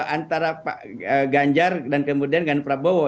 antara pak ganjar dan kemudian dengan prabowo